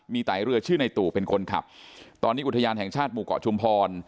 มีไตเรือชื่อในตู่เป็นคนขับตอนนี้อุทยานแห่งชาติหมู่เกาะชุมพร